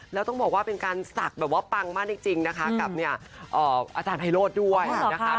แล้วต้องบอกว่าเป็นการศักดิ์แบบว่าปังมากจริงนะคะกับอาจารย์ไพโรธด้วยนะคะ